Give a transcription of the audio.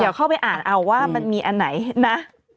เดี๋ยวเข้าไปอ่านเอาว่ามันมีอันไหนนะ